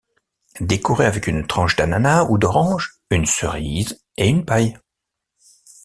Décorer avec une tranche d'ananas ou d'orange, une cerise, et une paille.